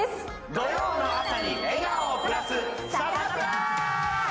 土曜の朝に笑顔をプラス、サタプラ。